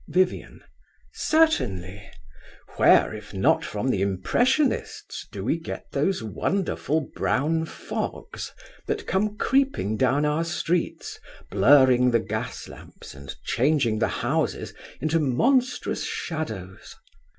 VIVIAN. Certainly. Where, if not from the Impressionists, do we get those wonderful brown fogs that come creeping down our streets, blurring the gas lamps and changing the houses into monstrous shadows?